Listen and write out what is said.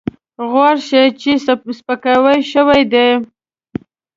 غور وشي چې سپکاوی شوی دی.